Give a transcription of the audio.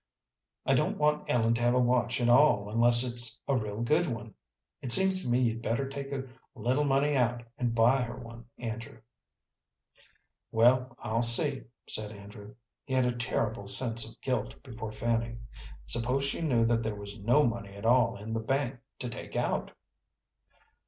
I don't want Ellen to have a watch at all unless it's a real good one. It seems to me you'd better take a little money out and buy her one, Andrew." "Well, I'll see," said Andrew. He had a terrible sense of guilt before Fanny. Suppose she knew that there was no money at all in the bank to take out?